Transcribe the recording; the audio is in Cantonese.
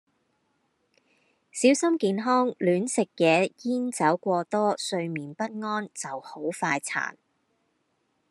小心健康亂食野煙酒過多睡眠不安就好快殘。